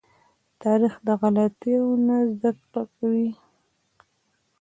تاریخ د غلطيو نه زده کوي.